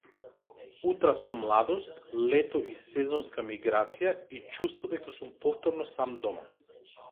Утра со младост, лето и сезонска миграција, и чувство дека сум повторно сам дома.